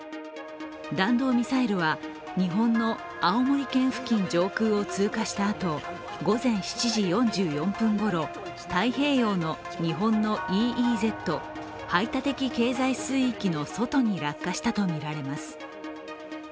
弾道ミサイルは、日本の青森県付近の上空を通過したあと午前７時４４分ごろ、太平洋の日本のＥＥＺ＝排他的経済水域の外に落下したとみられます。